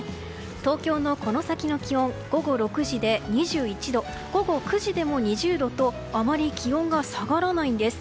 東京のこの先の気温午後６時で２１度午後９時でも２０度とあまり気温が下がらないんです。